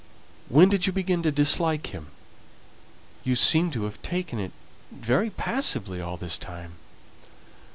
When did you begin to dislike him? You seem to have taken it very passively all this time."